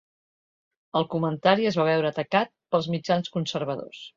El comentari es va veure atacat pels mitjans conservadors.